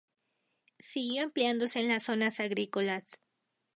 Siguió empleándose en las zonas agrícolas.